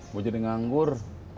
gue jadi nganggur